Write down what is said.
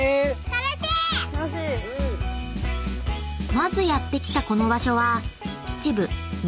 ［まずやって来たこの場所は］